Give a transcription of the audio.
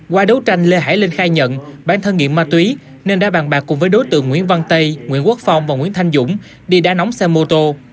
qua đấu tranh lê hải linh khai nhận bản thân nghiện ma túy nên đã bàn bạc cùng với đối tượng nguyễn văn tây nguyễn quốc phong và nguyễn thanh dũng đi đá nóng xe mô tô